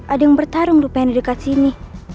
ada yang bertarung lupain dekat sini